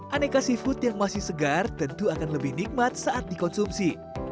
aneka seafood yang masih segar tentu akan lebih nikmat saat dikonsumsi